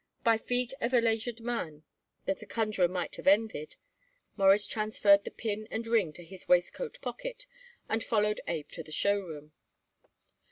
By a feat of legerdemain that a conjurer might have envied, Morris transferred the pin and ring to his waistcoat pocket and followed Abe to the show room.